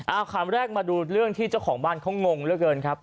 เอาคำแรกมาดูเรื่องที่เจ้าของบ้านเขางงเหลือเกินครับ